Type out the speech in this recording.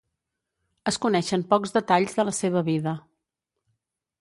Es coneixen pocs detalls de la seva vida.